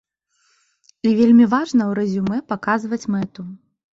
І вельмі важна ў рэзюмэ паказваць мэту.